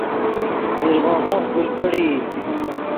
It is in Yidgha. ایرغوغف گل کڑیئی